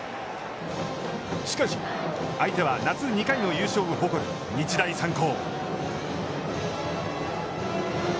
しかし、相手は夏２回の優勝を誇る日大三高。